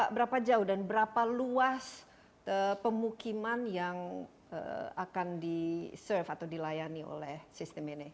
berapa jauh dan berapa luas pemukiman yang akan di serve atau dilayani oleh sistem ini